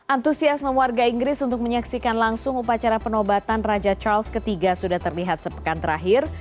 antusiasme warga inggris untuk menyaksikan langsung upacara penobatan raja charles iii sudah terlihat sepekan terakhir